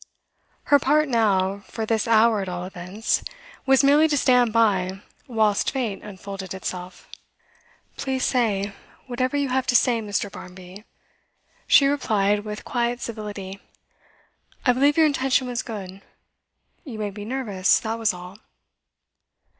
Her part now, for this hour at all events, was merely to stand by whilst Fate unfolded itself. 'Please say whatever you have to say, Mr. Barmby,' she replied with quiet civility. 'I believe your intention was good. You made me nervous, that was all.